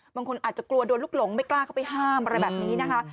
บางคนอาจจะกลัวโดนลูกหลงไม่กล้าเข้าไปห้ามอะไรแบบนี้นะคะ